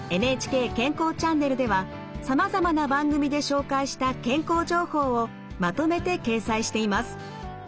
「ＮＨＫ健康チャンネル」ではさまざまな番組で紹介した健康情報をまとめて掲載しています。